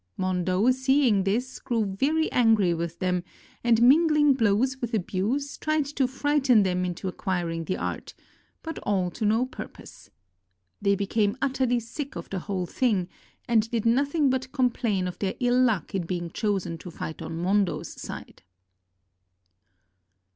Mondo, seeing this, grew very angry with them, and mingling blows with abuse, tried to frighten them into acquiring the art; but all to no pur pose. They became utterly sick of the whole thing, and did nothing but complain of their ill luck in being chosen to fight on Hondo's side.